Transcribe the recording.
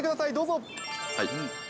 はい。